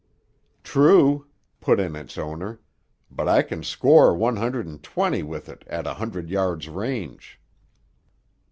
"True," put in its owner, "but I can score one hundred and twenty with it at a hundred yards' range."